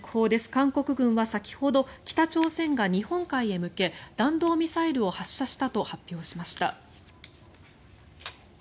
韓国軍は先ほど北朝鮮が日本海へ向け弾道ミサイルを発射したと発表しました。